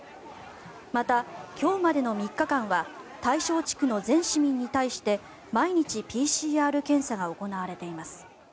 また、今日までの３日間は対象地区の全市民に対して毎日ＰＣＲ検査が行われています。